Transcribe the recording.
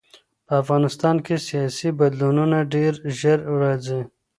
په افغانستان کې سیاسي بدلونونه ډېر ژر راځي.